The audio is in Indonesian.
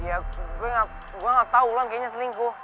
ya gue gak tau ulang kayaknya selingkuh